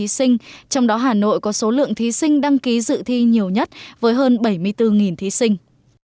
trong đó hà nội có số lượng thí sinh đăng ký dự thi nhiều nhất với hơn bảy mươi bốn thí sinh